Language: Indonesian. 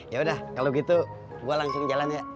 yaudah kalau gitu gue langsung jalan ya